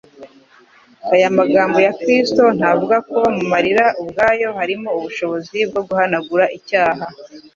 Aya magambo ya Kristo ntavuga ko mu marira ubwayo harimo ubushobozi bwo guhanagura icyaha.-